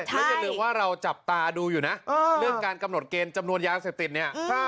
แล้วอย่าลืมว่าเราจับตาดูอยู่นะเรื่องการกำหนดเกณฑ์จำนวนยาเสพติดเนี่ย